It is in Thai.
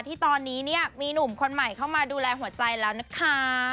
ที่ตอนนี้เนี่ยมีหนุ่มคนใหม่เข้ามาดูแลหัวใจแล้วนะคะ